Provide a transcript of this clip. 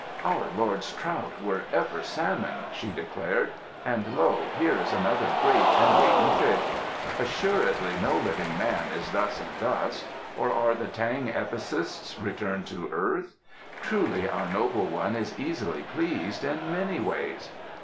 "Our lord's trout were ever salmon," she declared, "and lo! here is another great and weighty fish! Assuredly no living man is thus and thus; or are the T'ang epicists returned to earth? Truly our noble one is easily pleased in many ways!"